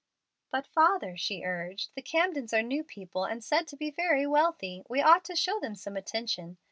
"But, father," she urged, "the Camdens are new people, and said to be very wealthy. We ought to show them some attention.